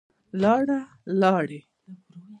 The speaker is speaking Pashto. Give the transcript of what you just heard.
لاړه, لاړې